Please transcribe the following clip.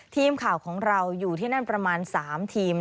ทีมข่าวของเราอยู่ที่นั่นประมาณ๓ทีม